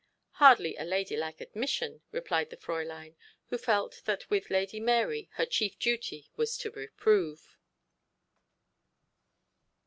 'Hardly a ladylike admission,' replied the Fräulein, who felt that with Lady Mary her chief duty was to reprove.